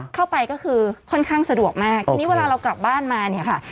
เข้าไปก็คือค่อนข้างสะดวกมากทีนี้เวลาเรากลับบ้านมาเนี่ยค่ะ